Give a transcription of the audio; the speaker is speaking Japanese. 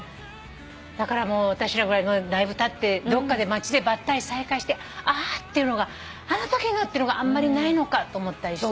だからもう私らぐらいだいぶたってどっかで街でばったり再会して「あっ！」っていうのが「あのときの！」っていうのがあんまりないのかと思ったりして。